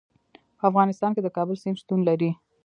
په افغانستان کې د کابل سیند شتون لري.